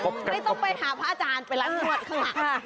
ไม่ต้องไปหาพระอาจารย์ไปร้านนวดข้างหลัง